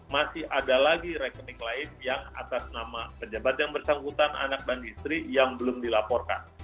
masih ada lagi rekening lain yang atas nama pejabat yang bersangkutan anak dan istri yang belum dilaporkan